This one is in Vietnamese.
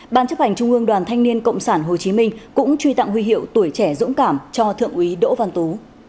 ban chấp hành trung ương đoàn thanh niên cộng sản hồ chí minh cũng truy tặng huy hiệu tuổi trẻ dũng cảm cho thượng úy đỗ văn tú